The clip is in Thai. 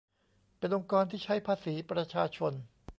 เป็นองค์กรที่ใช้ภาษีประชาชน